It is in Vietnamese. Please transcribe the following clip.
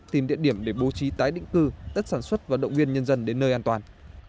tìm địa điểm để bố trí tái định cư tất sản xuất và động viên nhân dân đến nơi an toàn